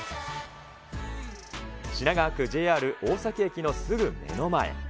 品川区、ＪＲ大崎駅のすぐ目の前。